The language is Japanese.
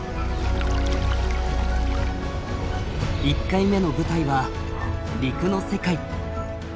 １回目の舞台は陸の世界。